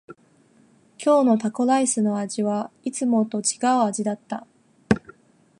今日のタコライスの味はいつもと違う味だった。